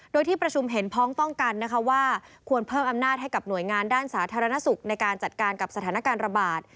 โดยที่ประชุมเห็นพ้องต้องกันนะคะว่าควรเพิ่มอำนาจให้กับหน่วยงานด้านสาธารณสุขในการจัดการกับสถานการณ์ระบาด